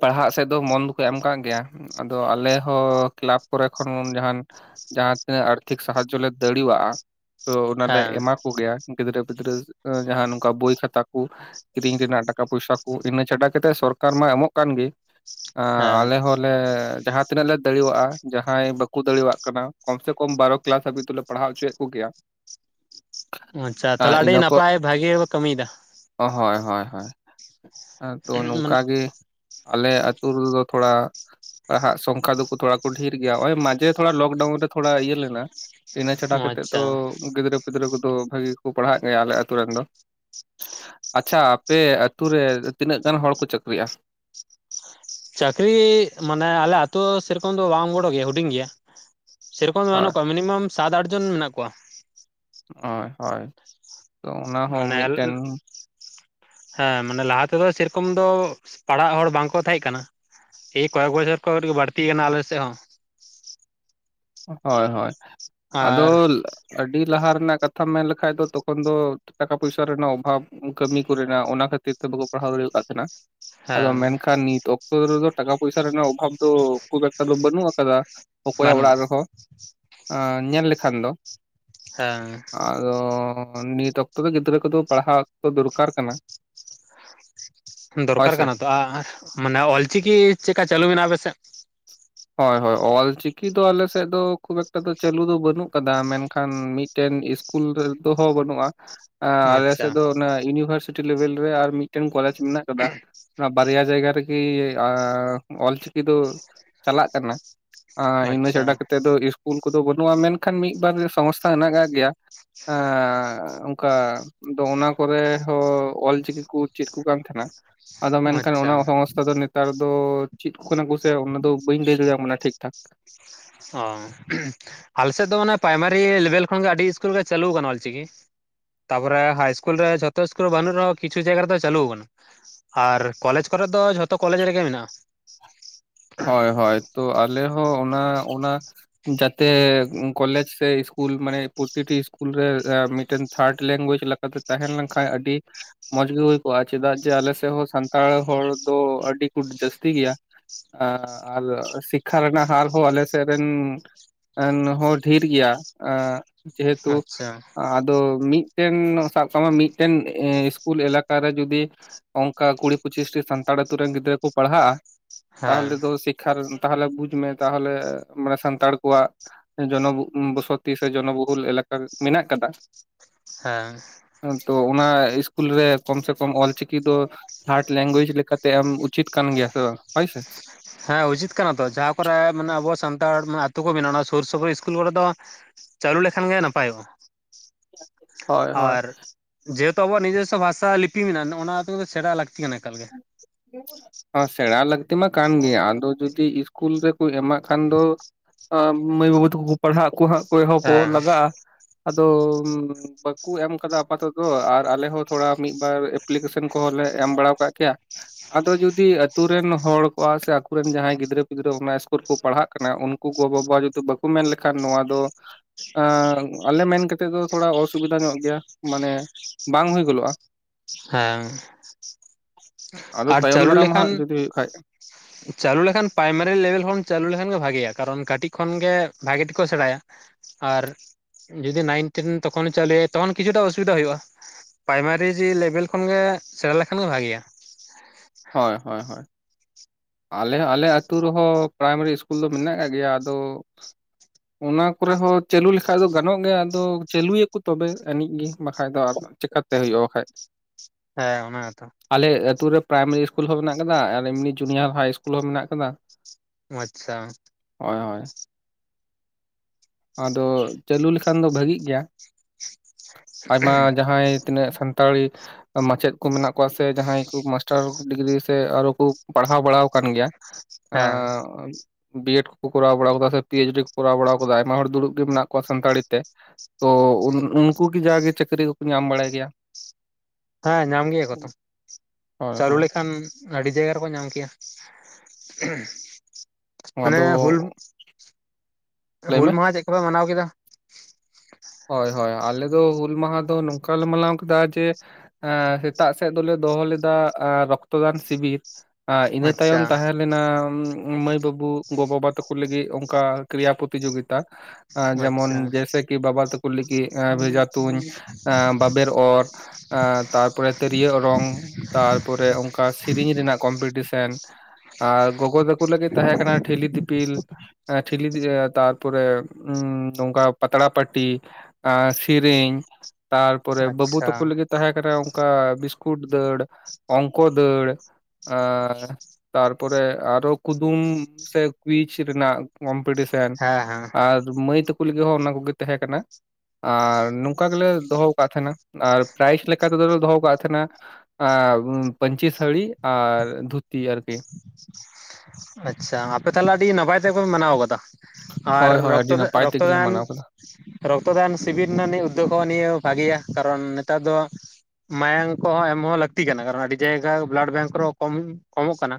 ᱯᱟᱲᱦᱟᱜ ᱥᱮᱫ ᱫᱚ ᱢᱚᱱ ᱫᱚᱠᱚ ᱮᱢ ᱠᱟᱜ ᱜᱮᱭᱟ ᱟᱫᱚ ᱟᱞᱮ ᱦᱚᱸ ᱠᱞᱟᱵ ᱠᱚᱨᱮ ᱠᱷᱚᱱ ᱡᱟᱦᱟᱱ ᱡᱟᱦᱟᱸ ᱛᱤᱱᱟᱹᱜ ᱟᱨᱛᱷᱤᱠ ᱥᱟᱦᱟᱡᱡᱚ ᱞᱮ ᱫᱟᱲᱤᱣᱟᱜᱼᱟ ᱛᱚ ᱚᱱᱟᱞᱮ
ᱦᱮᱸ
ᱮᱢᱟ ᱠᱚᱜᱮᱭᱟ ᱜᱤᱫᱽᱨᱟᱹ ᱯᱤᱫᱽᱨᱟᱹ ᱡᱟᱦᱟᱸ ᱱᱚᱝᱠᱟ ᱵᱳᱭ ᱠᱷᱟᱛᱟ ᱠᱚ ᱠᱤᱨᱤᱧ ᱨᱮᱱᱟᱜ ᱴᱟᱠᱟ ᱯᱚᱭᱥᱟ ᱠᱚ, ᱤᱱᱟᱹ ᱪᱷᱟᱰᱟ ᱠᱟᱛᱮᱮᱫ ᱥᱚᱨᱠᱟᱨ ᱢᱟ ᱮᱢᱚᱜ ᱠᱟᱱ ᱜᱮ, ᱮᱸᱻ
ᱦᱮᱸ
ᱟᱞᱮ ᱦᱚᱸ ᱟᱞᱮ ᱡᱟᱦᱟᱸ ᱛᱤᱱᱟᱹᱜ ᱞᱮ ᱫᱟᱲᱮᱭᱟᱜᱼᱟ ᱡᱟᱦᱟᱸᱭ ᱵᱟᱠᱚ ᱫᱟᱲᱮᱭᱟᱜ ᱠᱟᱱᱟ ᱠᱚᱢ ᱥᱮ ᱠᱚᱢ ᱵᱟᱨᱚ ᱠᱞᱟᱥ ᱦᱟᱹᱵᱤᱡᱮ ᱫᱚ ᱯᱟᱲᱦᱟᱣ ᱦᱚᱪᱚᱭᱮᱫ ᱠᱚᱜᱮᱭᱟ
ᱟᱪᱷᱟ ᱛᱟᱦᱞᱮ ᱟᱹᱰᱤ ᱱᱟᱯᱟᱭ ᱵᱷᱟᱜᱮ ᱠᱚ ᱠᱟᱹᱢᱤᱭᱮᱫᱟ
ᱚ ᱦᱳᱭ ᱦᱳᱭ ᱦᱳᱭ ᱛᱚ
ᱢᱟᱱᱮ
ᱱᱚᱝᱠᱟ ᱜᱮ ᱟᱞᱮ ᱟᱹᱛᱩ ᱨᱮᱫᱚ ᱛᱷᱚᱲᱟ ᱟᱨ ᱦᱟᱸᱜ ᱥᱚᱝᱠᱷᱟ ᱫᱚ ᱛᱷᱚᱲᱟ ᱠᱚ ᱰᱷᱮᱨ ᱜᱮᱭᱟ ᱱᱚᱜᱚᱭ ᱢᱟᱡᱷᱮ ᱛᱷᱚᱲᱟ ᱞᱚᱠᱰᱟᱣᱩᱱ ᱨᱮ ᱛᱷᱚᱲᱟ ᱤᱭᱟᱹ ᱞᱮᱱᱟ ᱤᱱᱟᱹ ᱪᱷᱟᱰᱟ ᱠᱟᱛᱮᱫ ᱛᱚ
ᱟᱪᱪᱷᱟ
ᱜᱤᱫᱽᱨᱟᱹ ᱜᱤᱫᱽᱨᱟᱹ ᱠᱚᱫᱚ ᱵᱷᱟᱜᱤ ᱜᱮ ᱠᱚ ᱯᱟᱲᱦᱟᱜ ᱜᱮᱭᱟ ᱟᱞᱮ ᱟᱛᱩ ᱨᱮᱱ ᱫᱚ ᱟᱪᱷᱟ ᱟᱯᱮ ᱟᱛᱩ ᱨᱮ ᱛᱤᱱᱟᱹᱜ ᱜᱟᱱ ᱦᱚᱲ ᱠᱚ ᱪᱟᱹᱠᱨᱤᱜᱼᱟ
ᱪᱟᱹᱠᱨᱤ ᱢᱟᱱᱮ ᱟᱞᱮ ᱟᱛᱳ ᱥᱮᱨᱚᱠᱚᱢ ᱫᱚ ᱵᱟᱝ ᱵᱚᱲᱚᱜ ᱜᱮᱭᱟ ᱦᱩᱰᱤᱧ ᱜᱮᱭᱟ ᱥᱮ
ᱦᱳᱭ
ᱨᱚᱠᱚᱢᱟᱱᱩᱜ ᱠᱚᱣᱟ ᱢᱤᱱᱤᱢᱟᱢ ᱥᱟᱛ ᱟᱴ ᱡᱚᱱ ᱢᱮᱱᱟᱜ ᱠᱚᱣᱟ
ᱦᱳᱭ ᱦᱳᱭ ᱛᱚ ᱚᱱᱟ ᱦᱚᱸ
ᱢᱟᱱᱮ
ᱢᱤᱫᱴᱮᱱ
ᱦᱮᱸ ᱢᱟᱱᱮ ᱞᱟᱦᱟ ᱛᱮᱫᱚ ᱥᱮᱨᱚᱠᱚᱢ ᱫᱚ ᱯᱟᱲᱦᱟᱜ ᱦᱚᱲ ᱵᱟᱝᱠᱚ ᱛᱟᱦᱮᱸ ᱠᱟᱱᱟ ᱮᱭ ᱠᱚᱭᱮᱠ ᱵᱚᱪᱷᱚᱨ ᱠᱷᱚᱱᱨᱮ ᱜᱮ ᱵᱟᱹᱲᱛᱤ ᱟᱠᱟᱱᱟ ᱟᱞᱮ ᱥᱮᱫ ᱦᱚᱸ
ᱦᱳᱭ ᱦᱳᱭ ᱟᱫᱚ
ᱟᱨ
ᱟᱹᱰᱤ ᱞᱟᱦᱟ ᱨᱮᱱᱟᱜ ᱠᱟᱛᱷᱟᱢ ᱢᱮᱱ ᱞᱮᱠᱷᱟᱡ ᱫᱚ ᱛᱚᱠᱷᱚᱱ ᱫᱚ ᱴᱟᱠᱟ ᱯᱚᱭᱥᱟ ᱨᱮᱱᱟᱜ ᱚᱵᱷᱟᱵ ᱠᱟᱹᱢᱤ ᱠᱚᱨᱮᱱᱟᱜ ᱚᱱᱟ ᱠᱷᱟᱹᱛᱤᱨ ᱛᱮ ᱵᱟᱠᱚ ᱯᱟᱲᱦᱟᱣ ᱫᱟᱲᱮᱭᱟᱜᱫ ᱴᱤᱱᱟ. ᱟᱫᱚ
ᱦᱮᱸ
ᱢᱮᱱᱠᱷᱟᱱ ᱱᱤᱛ ᱚᱠᱛᱚ ᱨᱮᱫᱚ ᱴᱟᱠᱟ ᱯᱚᱭᱥᱟ ᱨᱮᱱᱟᱜ ᱚᱵᱷᱟᱵ ᱫᱚ ᱠᱷᱩᱵ ᱮᱠᱴᱟ ᱫᱚ ᱵᱟᱹᱱᱩᱜ ᱟᱠᱟᱫᱟ᱾ ᱚᱠᱚᱭᱟᱜ
ᱵᱟᱹᱱᱩᱜ
ᱚᱲᱟᱜ ᱨᱮᱦᱚᱸ ᱧᱮᱞ ᱞᱮᱠᱷᱟᱱ ᱫᱚ
ᱦᱮᱸ
ᱟᱫᱚ ᱱᱤᱛ ᱚᱠᱛᱚ ᱫᱚ ᱜᱤᱫᱽᱨᱟᱹ ᱠᱚᱫᱚ ᱯᱟᱲᱦᱟᱜ ᱚᱠᱛᱚ ᱫᱚᱨᱠᱟᱨ ᱠᱟᱱᱟ ᱦᱳᱭ
ᱫᱚᱨᱠᱟᱨ
ᱥᱮ
ᱠᱟᱱᱟ ᱛᱚ ᱢᱟᱱᱮ ᱚᱞ ᱪᱤᱠᱤ ᱪᱮᱫ ᱞᱮᱠᱟ ᱪᱟᱹᱞᱩ ᱢᱮᱱᱟᱜᱼᱟ ᱟᱯᱮ ᱥᱮᱫ?
ᱦᱳᱭ ᱦᱳᱭ ᱚᱞ ᱪᱤᱠᱤ ᱫᱚ ᱟᱞᱮ ᱥᱮᱫ ᱫᱚ ᱠᱷᱩᱵ ᱮᱠᱴᱟ ᱫᱚ ᱪᱟᱹᱞᱩ ᱫᱚ ᱵᱟᱹᱱᱩᱜ ᱟᱠᱟᱫᱟ ᱢᱮᱱᱠᱷᱟᱱ ᱢᱤᱫ ᱴᱮᱱ ᱤᱥᱠᱩᱞ ᱨᱮ ᱫᱚᱦᱚᱸ ᱵᱟᱹᱱᱩᱜᱼᱟ ᱟᱞᱮ
ᱟᱪᱪᱷᱟ
ᱥᱮᱫ ᱫᱚ ᱚᱱᱟ ᱤᱭᱩᱱᱤᱵᱷᱟᱨᱥᱤᱴᱤ ᱞᱮᱵᱮᱞ ᱨᱮ ᱟᱨ ᱢᱤᱫ ᱴᱮᱱ ᱠᱚᱞᱮᱡᱽ ᱢᱮᱱᱟᱜ ᱟᱠᱟᱫᱟ᱾ ᱵᱟᱨᱭᱟ ᱡᱟᱭᱜᱟ ᱨᱮᱜᱤ ᱟᱻ ᱚᱞ ᱪᱤᱠᱤ ᱫᱚ ᱪᱟᱞᱟᱜ ᱠᱟᱱᱟ ᱟᱺ ᱤᱱᱟᱹ
ᱟᱪᱪᱷᱟ
ᱪᱷᱟᱰᱟ ᱠᱟᱛᱮᱫ ᱫᱚ ᱤᱥ ᱩᱱᱠᱩᱫᱚ ᱵᱟᱹᱱᱩᱜᱼᱟ ᱢᱮᱱᱠᱷᱟᱱ ᱢᱤᱫ ᱵᱟᱨ ᱥᱚᱝᱥᱛᱷᱟ ᱦᱮᱱᱟᱜ ᱠᱟᱜ ᱜᱮᱭᱟ ᱟᱸᱻ ᱚᱱᱠᱟ ᱟᱫᱚ ᱚᱱᱟ ᱠᱚᱨᱮ ᱦᱚᱸ ᱚᱞ ᱪᱤᱠᱤ ᱠᱚ ᱪᱮᱫ ᱟᱠᱚ ᱠᱟᱱ ᱛᱟᱦᱮᱸᱱᱟ᱾ ᱟᱫᱚ ᱢᱮᱱᱠᱷᱟᱱ
ᱟᱪᱪᱷᱟ
ᱚᱱᱟ ᱥᱚᱝᱥᱛᱷᱟ ᱫᱚ ᱱᱮᱛᱟᱨ ᱫᱚ ᱪᱮᱫ ᱠᱟᱱᱟ ᱠᱩᱥᱤᱭᱟᱜᱼᱟ ᱚᱱᱟ ᱫᱚ ᱵᱟᱹᱧ ᱞᱟᱹᱭ ᱫᱟᱨᱮᱭᱟᱢ ᱠᱟᱱᱟ ᱴᱷᱤᱠ ᱴᱷᱟᱠ
ᱚᱸ ᱟᱞᱮᱥᱮᱫ ᱫᱚ ᱚᱱᱮ ᱯᱨᱟᱭᱢᱟᱨᱤ ᱞᱮᱵᱮᱞ ᱠᱷᱚᱱ ᱜᱮ ᱟᱹᱰᱤ ᱤᱥᱠᱩᱞ ᱨᱮ ᱜᱮ ᱪᱟᱹᱞᱩ ᱟᱠᱟᱱᱟ ᱚᱞᱪᱤᱠᱤ ᱛᱟᱯᱚᱨᱮ ᱦᱟᱭ ᱤᱥᱠᱩᱞ ᱨᱮ ᱡᱷᱚᱛᱚ ᱠᱩᱞ ᱵᱟᱹᱱᱩᱜ ᱨᱮᱦᱚᱸ ᱠᱤᱪᱷᱩ ᱡᱟᱭᱜᱟ ᱨᱮᱫᱚᱚ ᱪᱟᱹᱞᱩ ᱟᱠᱟᱱᱟ ᱟᱨ ᱠᱚᱞᱮᱡᱽ ᱠᱚᱨᱮ ᱫᱚ ᱡᱷᱚᱛᱚ ᱠᱚᱞᱮᱡᱽ ᱨᱮᱜᱮ ᱢᱮᱱᱟᱜᱼᱟ
ᱦᱳᱭ ᱦᱳᱭ ᱛᱚ ᱟᱞᱮ ᱦᱚᱸ ᱚᱱᱟ ᱚᱱᱟ ᱡᱟᱛᱮ ᱠᱚᱞᱮᱡᱽ ᱥᱮ ᱤᱥᱠᱩᱞ ᱢᱟᱱᱮ ᱯᱨᱚᱛᱤᱴᱤ ᱤᱥᱠᱩᱞ ᱨᱮ ᱢᱤᱫᱴᱮᱱ ᱛᱷᱟᱨᱰ ᱞᱮᱝᱜᱩᱭᱮᱡᱽ ᱞᱟᱠ ᱟᱫᱚ ᱛᱟᱦᱮᱸ ᱞᱮᱱ ᱠᱷᱟᱡ ᱟᱹᱰᱤ ᱢᱚᱸᱡᱽᱜᱮ ᱦᱩᱭ ᱠᱚᱜᱼᱟ ᱪᱮᱫᱟᱜ ᱡᱮ ᱟᱞᱮᱥᱮᱫ ᱦᱚᱸ ᱥᱟᱱᱛᱟᱲ ᱦᱚᱲ ᱫᱚ ᱟᱹᱰᱤ ᱠᱚ ᱡᱟᱹᱥᱛᱤ ᱜᱮᱭᱟ ᱟ, ᱟᱨ ᱥᱤᱠᱠᱷᱟ ᱨᱮᱱᱟᱜ ᱦᱟᱨ ᱦᱚᱸ ᱟᱞᱮ ᱥᱮᱫ ᱨᱮᱱ ᱮᱱᱦᱚᱸ ᱰᱷᱮᱨ ᱜᱮᱭᱟ ᱮᱸᱻ ᱡᱮᱦᱮᱛᱩ
ᱟᱪᱪᱷᱟ
ᱟᱫᱚ ᱢᱤᱫ ᱢᱤᱫᱴᱮᱱ ᱥᱟᱵ ᱠᱟᱜᱢᱮ ᱢᱤᱫᱴᱮᱱ ᱤᱥᱠᱩᱞ ᱮᱞᱟᱠᱟ ᱨᱮ ᱡᱩᱫᱤ ᱚᱝᱠᱟ ᱠᱩᱲᱤ ᱯᱩᱪᱤᱥᱴᱤ ᱥᱟᱱᱛᱟᱲ ᱟᱛᱳ ᱨᱮᱱ ᱜᱤᱫᱽᱨᱟᱹ ᱠᱚ ᱯᱟᱲᱦᱟᱜᱼᱟ
ᱦᱮᱸ
ᱛᱟᱦᱞᱮ ᱫᱚ ᱥᱤᱠᱠᱷᱟ ᱨᱮᱱ ᱛᱟᱦᱞᱮ ᱵᱩᱡ ᱢᱮ ᱛᱟᱦᱞᱮ ᱢᱟᱱᱮ ᱥᱟᱱᱛᱟᱲ ᱠᱚᱣᱟᱜ ᱡᱚᱱᱚ ᱵᱚᱥᱚᱛᱤ ᱥᱮ ᱡᱚᱱᱚᱵᱚᱦᱩᱞ ᱮᱞᱟᱠᱟ ᱢᱮᱱᱟᱜ ᱠᱟᱫᱟ
ᱦᱮᱸ
ᱛᱚ ᱚᱱᱟ ᱤᱥᱠᱩᱞ ᱨᱮ ᱠᱚᱢ ᱥᱮ ᱠᱚᱢ ᱚᱞ ᱪᱤᱠᱤ ᱫᱚ ᱛᱦᱟᱨᱴ ᱞᱮᱝᱜᱩᱭᱮᱡᱽ ᱞᱮᱠᱟ ᱛᱮ ᱮᱢ ᱩᱪᱤᱛ ᱠᱟᱱ ᱜᱮᱭᱟ ᱥᱮ ᱵᱟᱝ ᱦᱳᱭ ᱥᱮ
ᱦᱮᱸ ᱩᱪᱤᱛ ᱠᱟᱱᱟ ᱛᱚ ᱡᱟᱦᱟᱸ ᱠᱚᱨᱮ ᱢᱟᱱᱮ ᱟᱵᱚ ᱥᱟᱱᱛᱟᱲ ᱟᱹᱛᱩ ᱠᱚ ᱢᱮᱱᱟᱜᱼᱟ ᱚᱱᱟ ᱥᱩᱨ ᱥᱩᱯᱩᱨ ᱤᱥᱠᱩᱞ ᱠᱚᱨᱮ ᱫᱚ ᱪᱟᱹᱞᱩ ᱞᱮᱠᱷᱟᱱ ᱜᱮ ᱱᱟᱯᱟᱭᱚᱜᱼᱟ
ᱦᱳᱭ ᱦᱳᱭ
ᱟᱨ ᱡᱮᱦᱮᱛᱩ ᱟᱵᱚᱣᱟᱜ ᱱᱤᱡᱮᱥᱥᱚ ᱵᱷᱟᱥᱟ ᱞᱤᱯᱤ ᱢᱮᱱᱟᱜᱼᱟ ᱚᱱᱟ ᱫᱚ ᱥᱮᱬᱟ ᱞᱟᱹᱠᱛᱤ ᱠᱟᱱᱟ ᱮᱠᱟᱞ ᱜᱮ
ᱥᱮᱬᱟ ᱞᱟᱹᱠᱛᱤ ᱢᱟ ᱠᱟᱱ ᱜᱮᱭᱟ ᱟᱫᱚ ᱡᱩᱫᱤ ᱤᱥᱠᱩᱞ ᱨᱮᱠᱚ ᱮᱢᱟᱜ ᱠᱷᱟᱱ ᱫᱚ ᱟᱸᱜ, ᱢᱟᱹᱭ ᱵᱟᱹᱵᱩ ᱛᱟᱠᱚ ᱠᱚ ᱯᱟᱲᱦᱟᱜ ᱟᱠᱚ ᱦᱟᱸᱜ ᱮᱦᱚᱵ ᱠᱚ
ᱦᱮᱸ
ᱞᱟᱜᱟᱜᱼᱟ ᱟᱫᱚ ᱵᱟᱠᱩ ᱮᱢ ᱟᱠᱟᱫᱟ ᱟᱯᱟᱛᱚᱛᱚ ᱟᱨ ᱟᱞᱮ ᱦᱚᱸ ᱛᱷᱚᱲᱟ ᱢᱤᱫ-ᱵᱟᱨ ᱮᱯ ᱮᱯᱞᱤᱠᱮᱥᱚᱱ ᱠᱚᱦᱚᱸᱞᱮ ᱮᱢ ᱵᱟᱲᱟᱣᱟᱠᱟᱫ ᱠᱮᱭᱟ ᱟᱫᱚ ᱡᱩᱫᱤ ᱟᱛᱩ ᱨᱮᱱ ᱦᱚᱲ ᱠᱚ ᱥᱮ ᱟᱠᱚᱨᱮᱱ ᱡᱟᱦᱟᱸᱭ ᱜᱤᱫᱽᱨᱟᱹ ᱯᱤᱫᱽᱨᱟᱹ ᱚᱱᱟ ᱤᱥᱠᱩᱞ ᱠᱚ ᱯᱟᱲᱦᱟᱜ ᱠᱟᱱᱟ ᱩᱱᱠᱩ ᱩᱱᱠᱩ ᱜᱚᱼᱵᱟᱵᱟ ᱡᱩᱫᱤ ᱵᱟᱠᱚ ᱢᱮᱱ ᱞᱮᱠᱷᱟᱱ ᱱᱚᱣᱟ ᱫᱚ ᱮᱸ, ᱟᱞᱮ ᱢᱮᱱᱠᱟᱛᱮᱫ ᱫᱚ ᱛᱷᱚᱲᱟ ᱚᱥᱩᱵᱤᱫᱟ ᱧᱚᱜ ᱜᱮᱭᱟ ᱢᱟᱱᱮ ᱵᱟᱝ ᱦᱩᱭ ᱜᱚᱞᱚᱜᱼᱟ
ᱦᱮᱸ [inaudible]
ᱟᱫᱚ
ᱟᱨ
ᱛᱟᱭᱚᱢ
ᱪᱟᱹᱞᱩ
ᱫᱟᱨᱟᱢ
ᱞᱮᱠᱷᱟᱱ
ᱦᱟᱸᱜ ᱡᱩᱫᱤ ᱦᱩᱭᱩᱜ ᱠᱷᱟᱡ
[inaudible] ᱪᱟᱹᱞᱩ ᱞᱮᱠᱷᱟᱱ ᱯᱨᱟᱭᱢᱟᱨᱤ ᱞᱮᱵᱮᱞ ᱦᱚᱢ ᱪᱟᱹᱞᱩ ᱞᱮᱠᱷᱟᱱ ᱜᱮ ᱵᱷᱟᱜᱮᱭᱟ ᱠᱟᱹᱴᱤᱡ ᱠᱷᱚᱱᱜᱮ ᱵᱷᱟᱜᱮ ᱛᱮᱠᱚ ᱥᱮᱬᱟᱭᱟ ᱟᱨ ᱡᱩᱫᱤ ᱱᱟᱭᱤᱱ ᱴᱮᱱ ᱛᱚᱠᱷᱚᱱ ᱴᱮ ᱪᱟᱹᱞᱩᱭᱟ ᱛᱚᱠᱷᱚᱱ ᱠᱤᱪᱷᱩᱴᱟ ᱚᱥᱩᱵᱤᱫᱟ ᱦᱩᱭᱩᱜᱼᱟ ᱯᱨᱟᱭᱢᱟᱨᱤ ᱨᱮ ᱞᱮᱵᱮᱞ ᱠᱷᱚᱱᱜᱮ ᱥᱮᱬᱟ ᱞᱮᱠᱷᱟᱱ ᱜᱮ ᱵᱷᱟᱜᱤᱭᱟ
ᱦᱳᱭ ᱦᱳᱭ ᱦᱳᱭ ᱟᱞᱮ ᱟᱞᱮ ᱟᱹᱛᱩ ᱨᱮᱦᱚᱸ ᱯᱨᱟᱭᱢᱟᱨᱤ ᱤᱥᱠᱩᱞ ᱫᱚ ᱢᱮᱱᱟᱜ ᱠᱟᱜ ᱜᱮᱭᱟ ᱟᱫᱚ
[inaudible]
ᱚᱱᱟ ᱠᱚᱨᱮ ᱦᱚᱸ ᱪᱟᱹᱞᱩ ᱞᱮᱠᱷᱟᱡ ᱫᱚ ᱜᱟᱱᱚᱜ ᱜᱮᱭᱟ ᱟᱫᱚ ᱪᱟᱹᱞᱩᱭᱟᱠᱚ ᱛᱚᱵᱮ ᱟᱹᱱᱤᱡ ᱜᱮ ᱵᱟᱠᱟᱡ ᱫᱚ ᱪᱮᱠᱟᱛᱮ ᱪᱮᱠᱟ ᱛᱮ ᱦᱩᱭᱩᱜᱼᱟ ᱵᱷᱟᱠᱟᱡ
ᱦᱮᱸ ᱚᱱᱟ ᱜᱮᱛᱚ
ᱟᱞᱮ ᱟᱹᱛᱩ ᱨᱮ ᱯᱨᱟᱭᱢᱟᱨᱤ ᱤᱥᱠᱩᱞ ᱦᱚᱸ ᱢᱮᱱᱟᱜ ᱟᱠᱟᱫᱟ ᱟᱨ ᱮᱢᱱᱤ ᱡᱩᱱᱤᱭᱟᱨ ᱦᱟᱭ ᱤᱥᱠᱩᱞ ᱦᱚᱸ ᱢᱮᱱᱟᱜ ᱠᱟᱫᱟ
ᱢᱟᱪᱪᱷᱟ
ᱦᱳᱭ ᱦᱳᱭ ᱟᱫᱚ ᱪᱟᱹᱞᱩ ᱞᱮᱠᱷᱟᱱ ᱫᱚ ᱵᱷᱟᱜᱤᱜ ᱜᱮᱭᱟ ᱟᱭᱢᱟ ᱡᱟᱦᱟᱸᱭ ᱛᱤᱱᱟᱹᱜ ᱥᱟᱱᱛᱟᱲᱤ ᱢᱟᱪᱮᱫ ᱠᱚ ᱢᱮᱱᱟᱜ ᱠᱚᱣᱟ ᱥᱮ ᱡᱟᱦᱟᱸᱭ ᱠᱚ ᱢᱟᱥᱴᱟᱨ ᱢᱟᱥᱴᱟᱨ ᱰᱤᱜᱨᱤ ᱥᱮ ᱟᱨᱚ ᱠᱚ ᱯᱟᱲᱦᱟᱣ ᱵᱟᱲᱟ ᱟᱠᱟᱱ ᱜᱮᱭᱟ
ᱦᱮᱸ
ᱟᱸᱻ ᱵᱤᱭᱮᱰ ᱠᱚᱠᱚ ᱠᱚᱨᱟᱣ ᱵᱟᱲᱟ ᱠᱟᱫᱟ ᱥᱮ ᱯᱤᱮᱭᱤᱪᱰᱤ ᱠᱚ ᱠᱚᱨᱟᱣ ᱵᱟᱲᱟ ᱠᱟᱫᱟ ᱟᱭᱢᱟ ᱦᱚᱲ ᱫᱩᱲᱩᱵ ᱜᱮ ᱢᱮᱱᱟᱜ ᱠᱚᱣᱟ ᱥᱟᱱᱛᱟᱲᱤ ᱛᱮ ᱛᱚ ᱤᱱ ᱩᱱᱠᱩ ᱜᱮ ᱡᱟᱜᱮ ᱪᱟᱹᱠᱨᱤ ᱠᱚᱠᱚ ᱧᱟᱢ ᱵᱟᱲᱟᱭ ᱠᱮᱭᱟ
ᱦᱮᱸ ᱧᱟᱢ ᱜᱮᱭᱟ ᱠᱚᱛᱚ
ᱦᱳᱭ
ᱪᱟᱹᱞᱩ
ᱦᱳᱭ
ᱞᱮᱠᱷᱟᱱ ᱟᱹᱰᱤ ᱡᱟᱭᱜᱟ ᱨᱮᱠᱚ ᱧᱟᱢ ᱠᱮᱭᱟ ᱢᱟᱱᱮ
ᱟᱫᱚ
ᱦᱩᱞ
ᱞᱟᱹᱭ ᱢᱮ
ᱦᱩᱞ ᱢᱟᱦᱟ ᱪᱮᱫᱠᱟᱯᱮ ᱢᱟᱱᱟᱣ ᱠᱮᱫᱟ
ᱦᱳᱭ ᱦᱳᱭ ᱟᱞᱮ ᱫᱚ ᱦᱩᱞ ᱢᱟᱦᱟ ᱫᱚ ᱱᱚᱝᱠᱟ ᱞᱮᱮ ᱢᱟᱱᱟᱣ ᱠᱮᱫᱟ ᱡᱮ ᱮᱸᱻ ᱥᱮᱛᱟᱜ ᱥᱮᱫ ᱫᱚᱞᱮ ᱫᱚᱦᱚ ᱞᱮᱫᱟ ᱨᱚᱠᱛᱚᱫᱟᱱ ᱥᱤᱵᱤᱨ ᱮᱸ ᱤᱱᱟᱹ
ᱟᱪᱪᱷᱟ
ᱛᱟᱭᱚᱢ ᱛᱟᱦᱮᱸ ᱞᱮ ᱞᱮᱱᱟ ᱢᱟᱹᱭ ᱵᱟᱹᱵᱩ ᱜᱚ-ᱵᱟᱵᱟ ᱛᱟᱠᱚ ᱞᱟᱹᱜᱤᱫ ᱚᱱᱠᱟ ᱠᱨᱤᱭᱟ ᱯᱚᱛᱤᱡᱚᱜᱤᱛᱟ ᱟ ᱟᱸ ᱡᱮᱢᱚᱱ
ᱟᱪᱪᱷᱟ
ᱡᱮᱭᱥᱮ ᱠᱤ ᱵᱟᱵᱟ ᱛᱟᱹᱠᱩ ᱞᱤᱜᱤᱜᱼᱼ ᱟᱸ ᱵᱷᱮᱡᱟ ᱛᱩᱧ ᱟᱸ ᱵᱟᱵᱮᱨ ᱚᱨ᱾ ᱟᱨ ᱛᱟᱨ ᱯᱚᱨᱮ ᱛᱤᱨᱭᱳ ᱚᱨᱚᱝ ᱛᱟᱨ ᱯᱚᱨᱮ ᱚᱱᱠᱟ ᱥᱤᱨᱤᱧ ᱨᱤᱱᱟᱜ ᱠᱚᱢᱯᱤᱴᱤᱥᱮᱱ᱾ ᱟᱨ ᱜᱚᱜᱚ ᱛᱟᱹᱠᱩ ᱞᱟᱹᱜᱤᱫ ᱛᱟᱦᱮᱸ ᱠᱟᱱᱟ ᱴᱷᱤᱞᱤ ᱫᱤᱯᱤᱞ ᱮᱸ ᱴᱷᱼᱼ ᱴᱷᱤᱞᱤ ᱫᱤ ᱭᱮ ᱛᱟᱨᱯᱚᱨᱮ ᱩᱸ ᱱᱚᱝᱠᱟ ᱯᱟᱛᱲᱟ ᱯᱟᱹᱴᱤ᱾ ᱟᱨ‌ ᱥᱤᱨᱤᱧ ᱛᱟᱨᱯᱚᱨᱮ ᱵᱟᱹᱵᱩ
ᱟᱪᱪᱷᱟ
ᱛᱟᱹᱠᱩ ᱞᱟᱹᱜᱤᱫᱼᱼ ᱛᱟᱦᱮᱸ ᱠᱟᱱᱟ ᱚᱱᱠᱟ ᱵᱤᱥᱠᱩᱴ ᱫᱟᱹᱲ ᱚᱝᱠᱚ ᱫᱟᱹᱲ᱾ ᱟᱨ ᱛᱟᱨᱯᱚᱨᱮ ᱟᱨᱚ ᱠᱩᱫᱩᱢ ᱥᱮ ᱠᱩᱭᱤᱪ ᱨᱤᱱᱟᱜᱼ ᱠᱚᱢᱯᱤᱴᱤᱥᱮᱱ
ᱦᱮᱸ ᱦᱮᱸ
ᱟᱨ ᱢᱟᱹᱭ ᱛᱟᱹᱠᱩ ᱞᱤᱜᱤᱜ ᱦᱚᱸ ᱩᱱᱟ ᱠᱩᱜᱤ ᱛᱮᱦᱮᱸ ᱠᱟᱱᱟ᱾ ᱟᱨ ᱱᱭᱝᱠᱟ ᱜᱤᱞᱮ ᱫᱚᱦᱚ ᱟᱠᱟᱜ ᱛᱮᱦᱮᱸᱱᱟ ᱟᱨ ᱯᱨᱟᱭᱤᱡᱽ ᱞᱮᱠᱟ ᱛᱮᱫᱚ ᱞᱮ ᱫᱚᱦᱚ ᱣᱟᱠᱟᱜ ᱛᱟᱦᱮᱱᱟᱼᱼ ᱟᱨ ᱯᱟᱹᱧᱪᱤ ᱥᱟᱹᱲᱤ ᱟᱨ ᱫᱷᱩᱛᱤ ᱟᱨ ᱠᱤᱼᱼ
ᱟᱪᱷᱟ ᱟᱯᱮ ᱛᱟᱦᱞᱮ ᱟᱰᱤ ᱱᱟᱯᱟᱭ ᱛᱮᱯᱮ ᱢᱟᱱᱟᱣ ᱣᱟᱠᱟᱫᱟ᱾ ᱟᱨ
ᱦᱳᱭ ᱦᱳᱭ ᱟᱹᱰᱤ
ᱨᱚᱠᱛᱚᱫᱽ
ᱱᱟᱯᱟᱭ
ᱨᱚᱠᱛᱚ
ᱛᱮᱜᱮᱞᱮ
ᱫᱟᱱᱼᱼ
ᱢᱟᱱᱟᱣ ᱠᱮᱫᱟ
ᱨᱚᱠᱛᱚ ᱫᱟᱱ ᱥᱤᱵᱤᱨ ᱨᱮᱱᱟᱜ ᱱᱤ ᱩᱫᱽᱭᱳᱜᱽ ᱦᱚᱸ ᱱᱤᱭᱟᱹ ᱵᱷᱟᱜᱤᱭᱟ ᱠᱟᱨᱚᱱ ᱱᱮᱛᱟᱨ ᱫᱚ᱾ ᱢᱟᱭᱟᱝ ᱠᱚᱦᱚᱸ ᱮᱢ ᱦᱚᱸ ᱞᱟᱹᱠᱛᱤ ᱠᱟᱱᱟ ᱠᱟᱨᱚᱱ ᱟᱹᱰᱤ ᱡᱟᱭᱜᱟ ᱵᱞᱟᱰ ᱵᱮᱝᱠ ᱨᱮᱦᱚᱸ ᱠᱚᱢ ᱠᱚᱢᱚᱜ ᱠᱟᱱᱟ᱾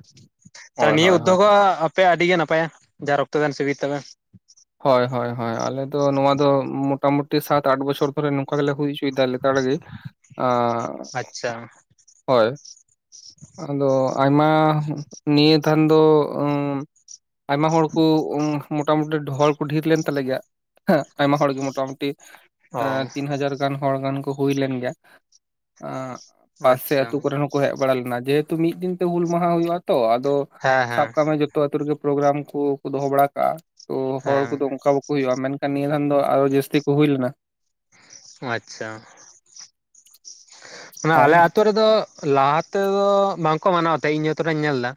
ᱛᱟᱦᱚᱞᱮ
ᱦᱳᱭ
ᱱᱤᱭᱟᱹ
ᱦᱳᱭ ᱦᱳᱭ
ᱩᱫᱽᱭᱳᱜᱽ ᱦᱚᱸ ᱟᱯᱮ ᱭᱟᱜ ᱟᱰᱤ ᱜᱮ ᱱᱟᱯᱟᱭᱟ ᱡᱟ ᱨᱚᱠᱛᱚ ᱫᱟᱱ ᱥᱤᱵᱤᱨ ᱛᱟᱯᱮ᱾
ᱦᱚᱭ ᱦᱚᱭ ᱦᱚᱭ ᱟᱞᱮ ᱫᱚ ᱱᱚᱣᱟ ᱫᱚ ᱢᱚᱴᱟ ᱢᱩᱴᱤ ᱥᱟᱛ ᱟᱴ ᱵᱚᱪᱷᱚᱨ ᱫᱷᱚᱨᱮ ᱱᱩᱝᱠᱟ ᱜᱤᱞᱮ ᱦᱩᱭ ᱪᱚᱭ ᱫᱟᱞᱮ᱾ ᱠᱟ ᱞᱤᱜᱤᱜ ᱟᱸ
ᱟᱪᱪᱷᱟ
ᱦᱚᱭ᱾ ᱟᱫᱚ ᱟᱭᱢᱟ ᱱᱤᱭᱟᱹ ᱫᱷᱟᱱ ᱫᱚ ᱩᱸᱼᱼ ᱟᱭᱢᱟ ᱦᱚᱲ ᱠᱩ ᱩᱸ ᱢᱚᱴᱟᱼᱢᱩᱴᱤ ᱰᱷᱚᱲ ᱰᱷᱤᱨ ᱞᱮᱱ ᱛᱟᱞᱮ ᱜᱮᱭᱟ᱾ ᱮᱜᱸ ᱟᱭᱢᱟ ᱦᱚᱲ ᱜᱮ ᱢᱚᱴᱟᱼᱢᱩᱴᱤ ᱮᱸ
ᱚ
ᱛᱤᱱ ᱦᱟᱡᱟᱨ ᱜᱟᱱ ᱦᱚᱲ ᱜᱟᱱ ᱠᱩ ᱦᱩᱭ ᱞᱮᱱ ᱜᱮᱭᱟ᱾ ᱟᱸᱜ ᱯᱟᱥᱮ
ᱟᱪᱪᱷᱟ
ᱟᱹᱛᱩ ᱠᱚᱨᱤᱱ ᱦᱚᱸᱠᱚ ᱦᱮᱡ ᱵᱟᱲᱟ ᱞᱮᱱᱟ ᱡᱮ ᱦᱮᱛᱩ ᱢᱤᱫ ᱫᱤᱱ ᱛᱮ ᱦᱩᱞ ᱢᱟᱦᱟᱸ ᱦᱩᱭᱩᱜᱼᱟᱼᱼ ᱛᱚ ᱟᱫᱚ
ᱦᱮᱸ
ᱥᱟᱵ
ᱦᱮᱸ
ᱠᱟᱜ ᱢᱮ ᱡᱚᱛᱚ ᱟᱹᱛᱩ ᱨᱮᱜᱮ ᱯᱨᱳᱜᱽᱨᱟᱢ ᱠᱩ ᱠᱚ ᱫᱚᱦᱚ ᱵᱟᱲᱟ ᱠᱟᱜ-ᱟᱼᱼ ᱛᱚ ᱦᱚᱲ ᱠᱩᱫᱚ
ᱦᱮᱸ
ᱩᱱᱠᱟ ᱵᱟᱹᱠᱩ ᱦᱩᱭᱩᱜ-ᱟ ᱢᱮᱱᱠᱷᱟᱱ ᱱᱤᱭᱟᱹ ᱫᱷᱟᱱ ᱫᱚ ᱟᱨᱚ ᱡᱟᱹᱥᱛᱤ ᱠᱩ ᱦᱩᱭ ᱞᱮᱱᱟ᱾
ᱟᱪᱪᱷᱟ᱾ ᱢᱟᱱᱮ
ᱦᱳᱭ
ᱟᱞᱮ ᱟᱛᱩ ᱨᱮᱫᱚ ᱞᱟᱦᱟ ᱛᱮᱫᱚ ᱵᱟᱝᱠᱚ ᱢᱟᱱᱟᱣ ᱛᱟᱦᱮᱸ ᱤᱧ ᱡᱚᱛᱚ ᱱᱟᱧ ᱧᱮᱞ ᱫᱟ᱾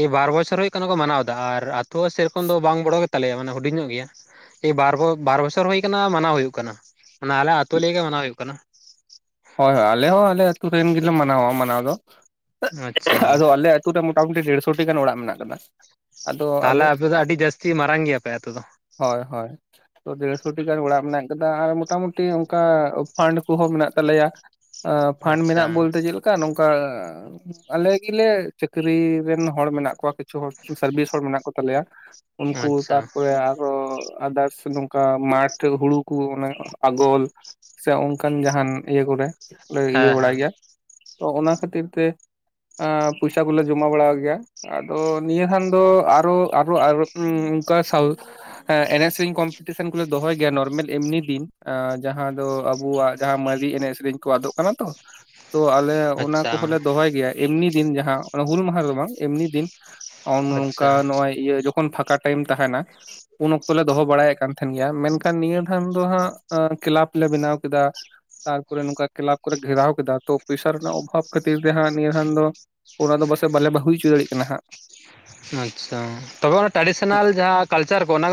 ᱮᱭ ᱵᱟᱨ ᱵᱚᱪᱷᱚᱨ ᱦᱩᱭᱩᱜ ᱠᱟᱱᱟ ᱠᱚ ᱢᱟᱱᱟᱣ ᱫᱟ ᱟᱨ ᱟᱛᱩ ᱦᱚᱸ ᱥᱮᱭ ᱫᱚ ᱵᱟᱝ ᱜᱚᱲᱚ ᱜᱮᱛᱟ ᱞᱮᱭᱟ ᱢᱟᱱᱮ ᱦᱩᱰᱤᱧ ᱧᱚᱜ ᱜᱮᱭᱟ᱾ ᱮᱭ ᱵᱟᱨ ᱵᱚ ᱵᱟᱨ ᱵᱚᱪᱷᱚᱨ ᱦᱩᱭ ᱟᱠᱟᱱᱟ ᱢᱟᱱᱟᱣ ᱦᱩᱭᱩᱜ ᱠᱟᱱᱟ ᱢᱟᱱᱮ ᱟᱞᱮ ᱟᱛᱩ ᱞᱟᱹᱭ ᱜᱮ ᱢᱟᱱᱟᱣ ᱦᱩᱭᱩᱜ ᱠᱟᱱᱟ᱾
ᱦᱚᱭ ᱦᱚᱭ ᱟᱞᱮ ᱦᱚᱸ ᱟᱞᱮ ᱟᱹᱛᱩ ᱨᱮᱱ ᱜᱤᱞᱮ ᱢᱟᱱᱟᱶᱟ ᱢᱟᱱᱟᱣ ᱫᱚ
ᱟᱪᱪᱷᱟ
ᱟᱫᱚ ᱟᱞᱮ‌ ᱟᱹᱼᱼ ᱛᱩ ᱨᱮ ᱢᱚᱴᱟᱼᱢᱩᱴᱤ ᱰᱮᱲᱥᱚᱴᱤ ᱜᱟᱱ ᱚᱲᱟᱜ ᱢᱮᱱᱟᱜ ᱟᱠᱟᱫᱟ᱾ ᱟᱫᱚ
ᱛᱟᱦᱞᱮ
ᱟᱞᱮ
ᱟᱯᱮ ᱫᱚ ᱟᱰᱤ ᱡᱟᱹᱥᱛᱤ ᱢᱟᱨᱟᱝ ᱜᱮᱭᱟ ᱯᱮ ᱟᱹᱛᱩ ᱫᱚ?
ᱦᱚᱭ ᱦᱚᱭ᱾ ᱛᱚ ᱰᱮᱲᱥᱚ ᱴᱤ ᱜᱟᱱ ᱚᱨᱟᱜ ᱢᱮᱱᱟᱜ ᱟᱠᱟᱫᱟ ᱟᱨ ᱢᱚᱴᱟᱼᱢᱩᱴᱤ ᱚᱱᱠᱟ ᱯᱷᱟᱱᱰ ᱠᱩᱦᱚᱸ ᱢᱮᱱᱟᱜᱼᱼ ᱛᱟᱞᱮᱭᱟ ᱟ ᱯᱷᱟᱱᱰ
ᱟᱪᱪᱷᱟ
ᱢᱮᱱᱟᱜ ᱵᱚᱞᱛᱮ ᱪᱮᱫ ᱞᱮᱠᱟ ᱱᱚᱝᱠᱟ ᱚᱻ ᱟᱞᱮ ᱜᱤᱞᱮ ᱪᱟᱹᱠᱨᱤ ᱨᱮᱱ ᱦᱚᱲ ᱢᱮᱱᱟᱜ ᱠᱚᱣᱟ ᱠᱤᱪᱷᱩ ᱦᱚᱲ ᱥᱟᱨᱵᱤᱥ ᱦᱚᱲ ᱢᱮᱱᱟᱜ ᱠᱚ ᱛᱟᱞᱮᱭᱟ᱾ ᱩᱱᱠᱩ
ᱟᱪᱪᱷᱟ
ᱛᱟᱨᱯᱚᱨᱮ ᱟᱨᱚ ᱟᱫᱟᱨᱼᱼ ᱥᱮ ᱱᱩᱝᱠᱟ ᱢᱟᱴᱷ ᱦᱩᱲᱩ ᱠᱚ ᱚᱱᱮ ᱟᱜᱚᱞ ᱥᱮ ᱚᱱᱠᱟᱱ ᱡᱟᱦᱟᱱ ᱤᱭᱟᱹ ᱠᱚᱨᱮ᱾ ᱞᱮ ᱤᱭᱟᱹ
ᱦᱮᱸ
ᱵᱟᱲᱟᱭ
ᱦᱮᱸ
ᱜᱮᱭᱟ ᱛᱚ ᱚᱱᱟ ᱠᱷᱟᱹᱛᱤᱨ ᱛᱮ᱾ ᱟᱸ ᱯᱩᱭᱥᱟ ᱠᱚᱞᱮ ᱡᱚᱢᱟ ᱵᱟᱲᱟᱣ ᱜᱮᱭᱟ᱾ ᱟᱫᱚ ᱱᱤᱭᱟᱹ ᱫᱷᱟᱱ ᱫᱚ ᱟᱨᱚ ᱟᱨᱚ ᱩᱸ ᱩᱱᱠᱟ ᱥᱟᱣᱩᱼᱼ ᱮᱱᱮᱡ ᱥᱮᱨᱮᱧ ᱠᱚᱢᱯᱤᱴᱚᱱ ᱠᱚᱞᱮ ᱫᱚᱦᱚᱭ ᱜᱮᱭᱟ ᱱᱚᱨᱢᱮᱞ ᱮᱢᱱᱤ ᱫᱤᱱ ᱟᱸ ᱡᱟᱦᱟᱸ ᱫᱚ ᱟᱵᱩᱣᱟᱜ ᱡᱟᱦᱟᱸ ᱢᱟᱞ ᱮᱱᱮᱡ ᱥᱮᱨᱮᱧ ᱠᱚ ᱟᱫᱚᱜ ᱠᱟᱱᱟ ᱛᱚ ᱛᱚ ᱟᱞᱮ ᱚᱱᱟ
ᱟᱪᱪᱷᱟ
ᱠᱚᱦᱚᱸ ᱞᱮ ᱫᱚᱦᱚᱭ ᱜᱮᱭᱟ᱾ ᱮᱢᱱᱤ ᱫᱤᱱ ᱡᱟᱦᱟᱸ ᱚᱱᱟ ᱦᱩᱞ ᱢᱟᱦᱟ ᱨᱮᱫᱚ ᱵᱟᱝ ᱮᱢᱱᱤ ᱫᱤᱱ ᱱᱚᱝᱠᱟ
ᱟᱪᱪᱷᱟ
ᱱᱚᱜᱼᱚᱭ ᱤᱭᱟᱹ ᱡᱚᱠ ᱠᱷᱚᱱ ᱯᱷᱟᱸᱠᱟ ᱴᱟᱹᱭᱤᱢ ᱛᱟᱦᱮᱱᱟ ᱩᱱ ᱚᱠᱛᱚ ᱞᱮ ᱫᱚᱦᱚ ᱵᱟᱲᱟᱭᱮᱫ ᱠᱟᱱᱼᱼ ᱛᱷᱮᱱ ᱜᱮᱭᱟ ᱢᱮᱱ ᱠᱷᱟᱱ ᱱᱤᱭᱟᱹ ᱫᱷᱟᱣ ᱫᱚ ᱦᱟᱸᱜ ᱚᱸ ᱠᱤᱞᱟᱵᱽ ᱞᱮ ᱵᱮᱱᱟᱣ ᱠᱮᱫᱟ᱾ ‌ᱛᱟᱨᱯᱚᱨᱮ ᱱᱩᱝᱠᱟ ᱠᱮᱞᱟᱵᱽ ᱠᱚᱨᱮ ᱜᱷᱮᱨᱟᱣ ᱠᱮᱫᱟ ᱛᱚ ᱯᱩᱭᱥᱟ ᱨᱮᱱᱟᱜ ᱚᱵᱷᱟᱵᱽ ᱠᱷᱟᱹᱛᱤᱨ ᱛᱮ ᱦᱟᱸᱜ ᱱᱤᱭᱟᱹ ᱫᱷᱟᱱ ᱫᱚᱼᱼ ᱚᱱᱟ ᱫᱚ ᱵᱟᱥᱮᱡ ᱵᱟᱞᱮ ᱵᱟ ᱦᱩᱭ ᱪᱚ ᱫᱟᱲᱮᱜ ᱠᱟᱱᱟ ᱦᱟᱸᱜ᱾
ᱟᱪᱷᱟᱸ, ᱛᱚᱵᱮ ᱚᱱᱟ ᱴᱨᱮᱰᱤᱥᱚᱱᱟᱞ ᱡᱟᱦᱟᱸ ᱠᱟᱞᱪᱟᱨ ᱠᱚ ᱚᱱᱟ ᱠᱚᱫᱚᱼᱼ